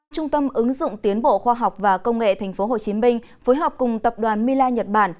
trung tâm ứng dụng tiến bộ khoa học và công nghệ tp hcm phối hợp cùng tập đoàn mila nhật bản